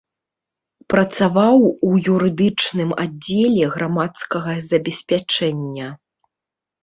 Працаваў у юрыдычным аддзеле грамадскага забеспячэння.